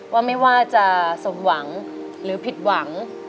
ว่าไม่ว่าจะสมหวังหรือผิดหวัง